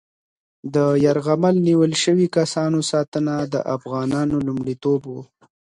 د یرغمل نیول شوي کسانو ساتنه د افغانانو لومړیتوب و.